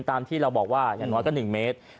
ตามที่เราบอกว่าอย่างน้อยก็๑เมตร